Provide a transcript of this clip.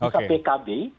nah di pkb